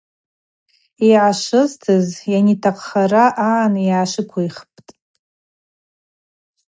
Йгӏашвызтыз йанитахъхара агӏан йшвыквиххпӏ.